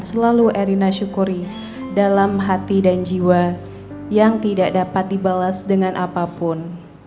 selalu erina syukuri dalam hati dan jiwa yang tidak dapat dibalas dengan apapun